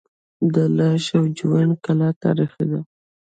د لاش او جوین کلا تاریخي ده